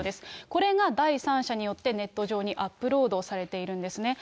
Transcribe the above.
これが第三者によってネット上にアップロードされているんですね。